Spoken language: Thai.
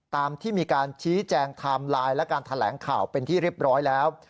ตามที่มีการชี้แจงไทม์ไลน์และการแถลงข่าวเป็นที่เรียบร้อยแล้ว